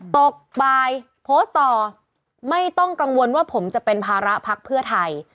ตกบ่ายโพสต์ต่อไม่ต้องกังวลว่าผมจะเป็นภาระพักเพื่อไทย